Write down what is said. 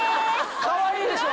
かわいいでしょ？